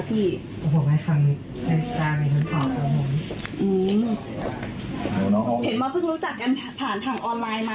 แล้วคำถามซึ่งพวกพุทธแรกผู้หญิงก็เห็นความวิจารณีที่ตรงประชาษณะ